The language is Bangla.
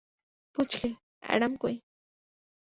পুচকে অ্যাডাম কই?